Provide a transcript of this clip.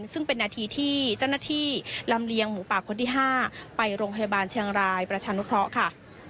ซึ่งเป็นนาทีที่เจ้าหน้าที่ลำเลียงหมูป่าคนที่๕ไปโรงพยาบาลเชียงรายประชานุเคราะห์ค่ะ